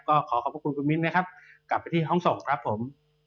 ก็ขอขอบพระคุณคุณมิ้นนะครับกลับไปที่ห้องส่งครับผม